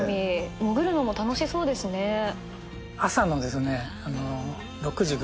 潜るのも楽しそうですね。